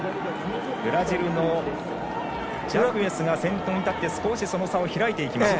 ブラジルのジャクエスが先頭に立って少しその差を開いていきました。